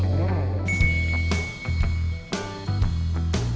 cari si kemot